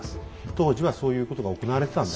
当時はそういうことが行われてたんだ。